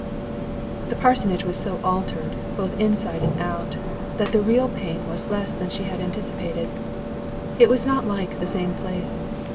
The parsonage was so altered, both inside and out, that the real pain was less than she anticipated. It was not like the same place.